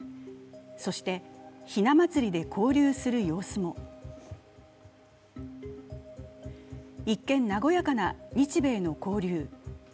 そして、ひな祭りで交流する様子も一見、和やかな日米の交流。